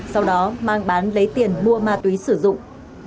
sau đó mang bán lấy tiền mua ma túy sử dụng